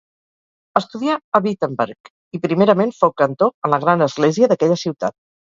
Estudià a Wittenberg, i primerament fou cantor en la gran església d'aquella ciutat.